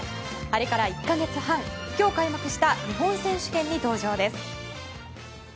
あれから１か月半今日開幕した日本選手権に登場です。